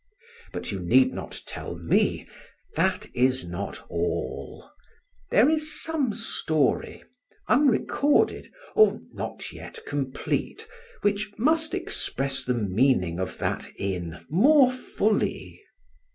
But you need not tell me that is not all; there is some story, unrecorded or not yet complete, which must express the meaning of that inn more fully.